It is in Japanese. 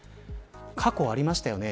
過去ありましたよね。